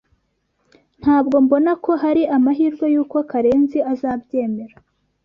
Ntabwo mbona ko hari amahirwe yuko Karenzi azabyemera.